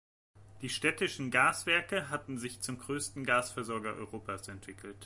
Die "Städtischen Gaswerke" hatten sich zum größten Gasversorger Europas entwickelt.